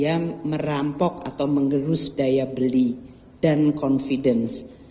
kalau terlalu banyak dia merampok atau mengerus daya beli dan confidence